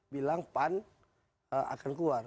bilang pan akan keluar